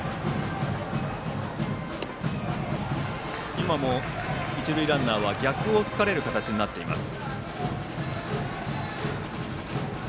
今も一塁ランナーは逆を突かれる形になっています。